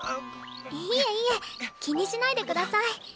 いえいえ気にしないでください。